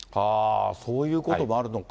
そういうこともあるのか。